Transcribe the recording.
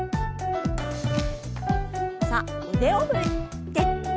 さあ腕を振って。